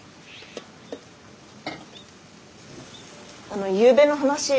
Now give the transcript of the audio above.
あのゆうべの話。